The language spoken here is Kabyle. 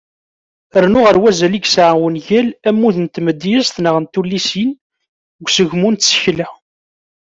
Rnu ɣer wazal i yesεa wungal, ammud n tmedyezt neɣ n tullisin, deg usegmu n tsekla.